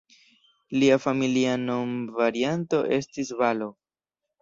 Lia familia nomvarianto estis "Balogh".